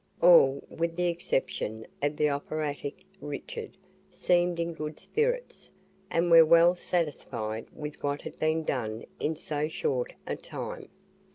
All, with the exception of the "operatic" Richard, seemed in good spirits, and were well satisfied with what had been done in so short a time.